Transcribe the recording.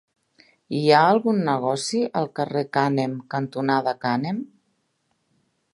Hi ha algun negoci al carrer Cànem cantonada Cànem?